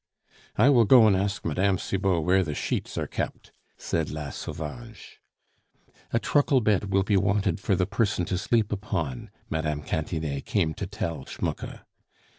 "I will go and ask Mme. Cibot where the sheets are kept," said La Sauvage. "A truckle bed will be wanted for the person to sleep upon," Mme. Cantinet came to tell Schmucke.